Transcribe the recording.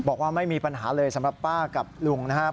บอกว่าไม่มีปัญหาเลยสำหรับป้ากับลุงนะครับ